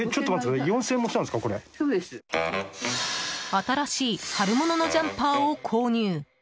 新しい春物のジャンパーを購入。